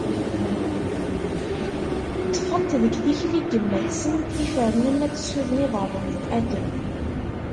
Ṭfent deg tikli n yemma-tsent ifernen ad tessuden iḍarren n Adem.